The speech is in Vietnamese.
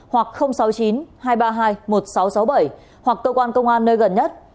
hoặc sáu mươi chín hai trăm ba mươi hai một nghìn sáu trăm sáu mươi bảy hoặc cơ quan công an nơi gần nhất